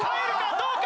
どうか？